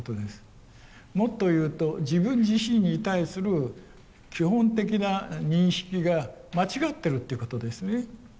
もっと言うと自分自身に対する基本的な認識が間違ってるってことですね。